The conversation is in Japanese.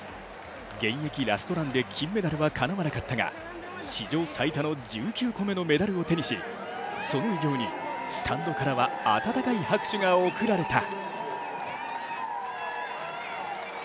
現役ラストランで金メダルはかなわなかったが史上最多の１９個目のメダルを手にしその偉業にスタンドからは温かい拍手が送られた。